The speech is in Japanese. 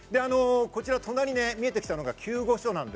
こちら隣、見えてきたのが救護所。